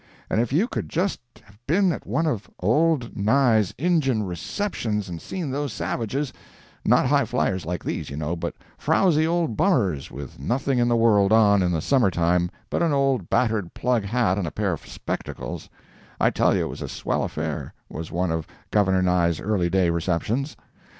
And if you could just have been at one of old Nye's Injun receptions and seen those savages—not high fliers like these, you know, but frowsy old bummers with nothing in the world on, in the summer time, but an old battered plug hat and a pair of spectacles—I tell you it was a swell affair, was one of Governor Nye's early day receptions.